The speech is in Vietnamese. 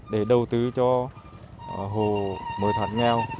để đầu tư cho hộ mới thoát nghèo